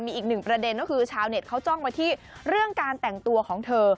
มีอีกหนึ่งประเด็นก็คือชาวเน็ตเขาจ้องไปที่เรื่องการแต่งตัวของเธอ